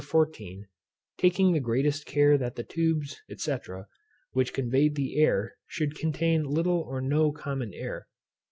14, taking the greatest care that the tubes, &c. which conveyed the air should contain little or no common air.